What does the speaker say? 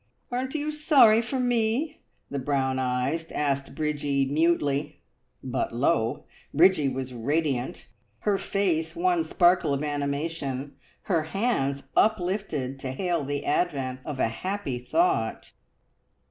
"Aren't you sorry for me?" the brown eyes asked Bridgie mutely. But, lo! Bridgie was radiant, her face one sparkle of animation, her hands uplifted to hail the advent of a happy thought.